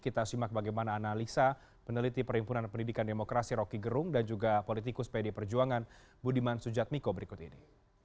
kita simak bagaimana analisa peneliti perhimpunan pendidikan demokrasi rocky gerung dan juga politikus pd perjuangan budiman sujatmiko berikut ini